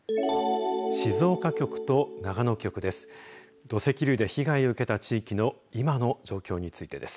静岡局と長野局です。